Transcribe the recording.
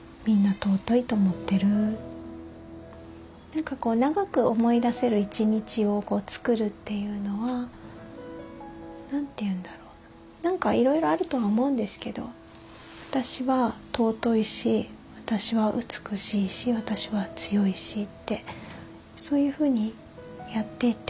何かこう長く思い出せる一日を作るっていうのは何て言うんだろう何かいろいろあるとは思うんですけど私は尊いし私は美しいし私は強いしってそういうふうにやっていってほしい。